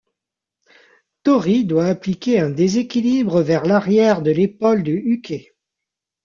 Tori doit appliquer un déséquilibre vers l'arrière de l'épaule de Uke.